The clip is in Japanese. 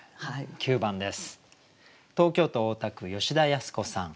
９番です。